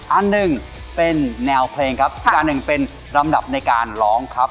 อันหนึ่งเป็นแนวเพลงครับอีกอันหนึ่งเป็นลำดับในการร้องครับ